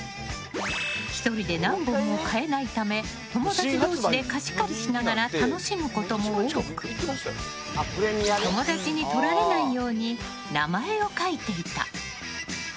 １人で何本も買えないため友達同士で貸し借りしながら楽しむことも多く友達にとられないように名前を書いていた。